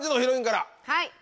はい！